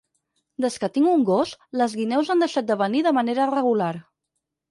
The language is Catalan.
Des que tinc un gos, les guineus han deixat de venir de manera regular.